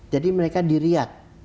jadi mereka di riad